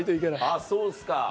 あぁそうですか。